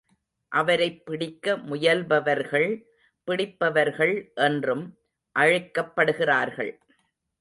அவரைப் பிடிக்க முயல்பவர்கள், பிடிப்பவர்கள் என்றும் அழைக்கப் படுகிறார்கள்.